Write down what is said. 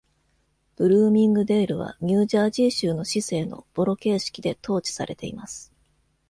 ブルーミングデールはニュージャージー州の市政のボロ形式で統治されています。